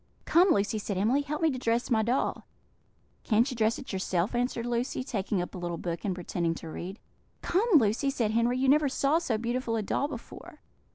"Come, Lucy," said Emily, "help me to dress my doll." "Can't you dress it yourself?" answered Lucy, taking up a little book, and pretending to read. "Come, Lucy," said Henry, "you never saw so beautiful a doll before."